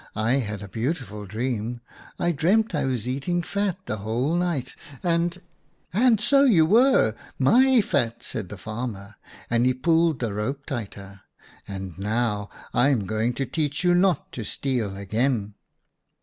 ' I had a beautiful dream. I dreamt I was eating fat the whole night, and ' 11 ' And so you were — my fat,' said the farmer, and he pulled the rope tighter. 'And now I'm going to teach you not to steal again.'